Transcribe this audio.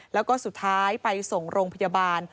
แล้วก็สุดท้ายไปส่งโรงพยาบาล